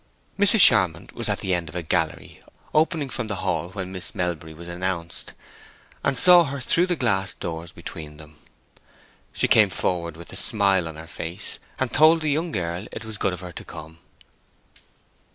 Mrs. Charmond was at the end of a gallery opening from the hall when Miss Melbury was announced, and saw her through the glass doors between them. She came forward with a smile on her face, and told the young girl it was good of her to come.